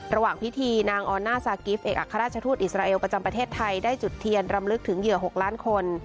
ระหว่างพิธีนางออน่าซากิฟต์เอกอัครราชทูตอิสราเอลประจำประเทศไทยได้จุดเทียนรำลึกถึงเหยื่อ๖ล้านคน